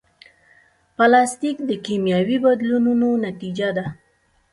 پلاستيک د کیمیاوي بدلونونو نتیجه ده.